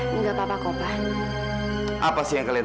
tidak ada apa apa juga siapa yang bengkak apa apa